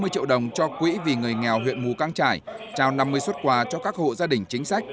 năm mươi triệu đồng cho quỹ vì người nghèo huyện mù căng trải trao năm mươi xuất quà cho các hộ gia đình chính sách